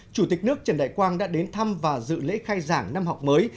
chủ tịch nước trần đại quang đã đến thăm và dự lễ khai giảng năm học mới